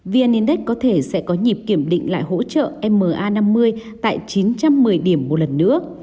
vn index có thể sẽ có nhịp kiểm định lại hỗ trợ ma năm mươi tại chín trăm một mươi điểm một lần nữa